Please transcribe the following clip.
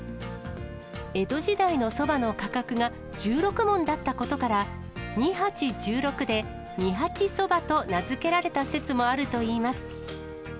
江戸時代のそばの価格が１６文だったことから、にはち１６で、二八そばと名付けられた説もあるといいます。